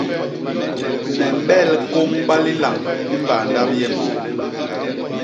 Me mbel kôñba lilañ i mbaa ndap yem.